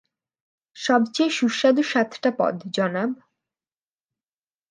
সবচেয়ে সুস্বাদু সাতটা পদ, জনাব!